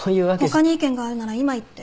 他に意見があるなら今言って。